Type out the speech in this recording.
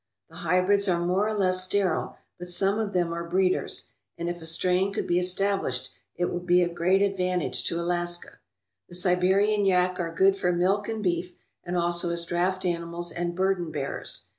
The hybrids are more or less sterile, but some of them are breeders, and if a strain could be established it would be of great advan tage to Alaska. The Siberian yak are good for milk and beef and also as draft animals and burden bearers.